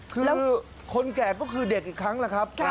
คือคนแก่ก็คือเด็กอีกครั้งแหละครับ